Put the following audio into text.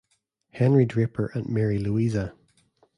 Henry Draper and Mary Louisa.